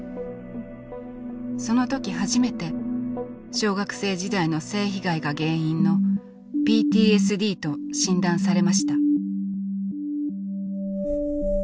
その時初めて小学生時代の性被害が原因のＰＴＳＤと診断されました。